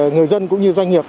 người dân cũng như doanh nghiệp